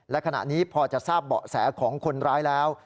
และขณะนี้พอจะทราบเบาะแสของคนร้ายแล้ว